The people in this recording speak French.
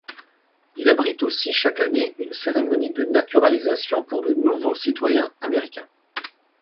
Il abrite aussi chaque année une cérémonie de naturalisation pour de nouveaux citoyens américains.